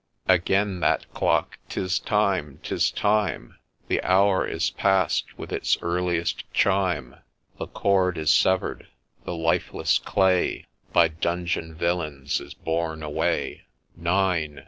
Again that clock ! 'tis time, 'tis time ! The hour is past : with its earliest chime The cord is severed, the lifeless clay By ' dungeon villains ' is borne away : Nine